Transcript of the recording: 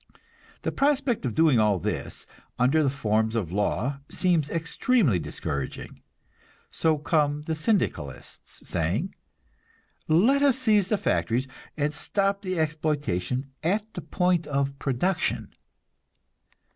The prospect of doing all this under the forms of law seems extremely discouraging; so come the Syndicalists, saying, "Let us seize the factories, and stop the exploitation at the point of production."